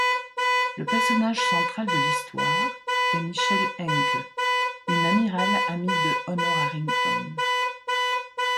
Le personnage central de l'histoire est Michelle Henke, une amiral amie de Honor Harrington.